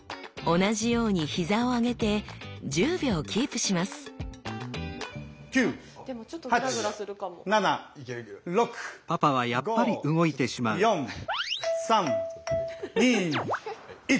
同じように膝を上げて１０秒キープします９８７６５４３２１。